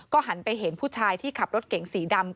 หันไปเห็นผู้ชายที่ขับรถเก๋งสีดำ